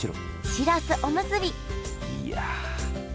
しらすおむすびいや。